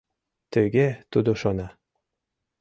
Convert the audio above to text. Тыге тудо шона.